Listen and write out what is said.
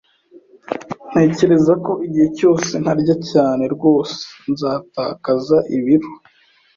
Ntekereza ko igihe cyose ntarya cyane, rwose nzatakaza ibiro.